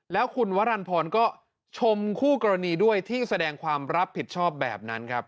แล้วคุณวรรณพรก็ชมคู่กรณีด้วยที่แสดงความรับผิดชอบแบบนั้นครับ